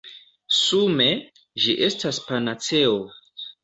Sume, ĝi estas panaceo!